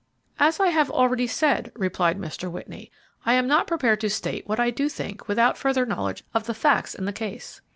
"As I have already said," replied Mr. Whitney, "I am not prepared to state what I do think without further knowledge of the facts in the case."